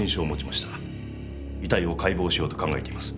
遺体を解剖しようと考えています。